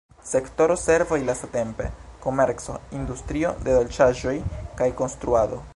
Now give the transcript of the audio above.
Sektoro servoj lastatempe: komerco, industrio de dolĉaĵoj kaj konstruado.